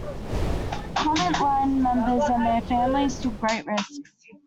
Comet Line members and their families took great risks.